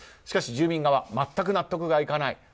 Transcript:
しかし、住民側は全く納得がいかない。